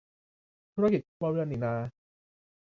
ธุรกิจครัวเรือนนี่นา